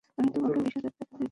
আমি তোমাকে বিশ হাজার টাকা দিব।